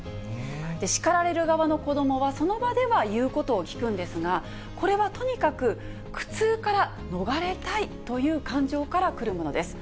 叱られる側の子どもはその場では言うことを聞くんですが、これはとにかく苦痛から逃れたいという感情から来るものです。